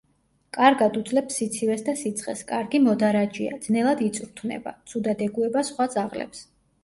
კარგად უძლებს სიცივეს და სიცხეს, კარგი მოდარაჯეა, ძნელად იწვრთნება, ცუდად ეგუება სხვა ძაღლებს.